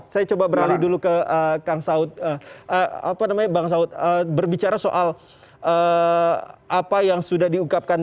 saya coba beralih dulu ke kang saud apa namanya bang saud berbicara soal apa yang sudah diungkapkan